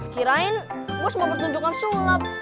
kirain gue semua pertunjukan sulap